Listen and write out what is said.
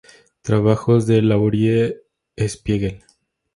Trabajos de Laurie Spiegel.